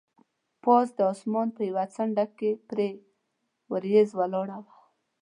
پاس د اسمان په یوه څنډه کې پرې وریځ ولاړه وه.